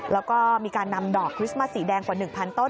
แล้วก็มีการนำดอกคริสต์มัสสีแดงกว่า๑๐๐ต้น